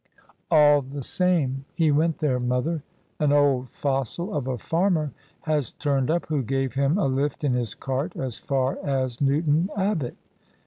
"All the same, he went there, mother. An old fossil of a farmer has turned up who gave him a lift in his cart as far as Newton Abbot."